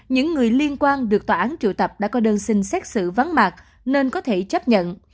những người liên quan được tòa án trụ tập đã có đơn xin xét xử vắng mặt nên có thể chấp nhận